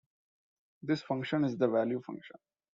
This function is the "value function".